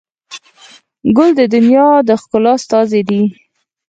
ګل د دنیا د ښکلا استازی دی.